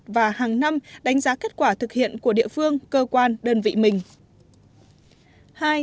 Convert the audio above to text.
và hàng năm đánh giá kết quả thực hiện của địa phương cơ quan đơn vị mình